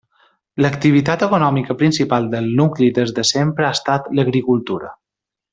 L'activitat econòmica principal del nucli des de sempre ha estat l'agricultura.